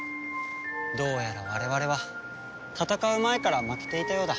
どうやら我々は戦う前から負けていたようだ。